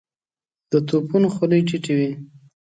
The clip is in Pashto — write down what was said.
د توپونو خولې ټيټې وې.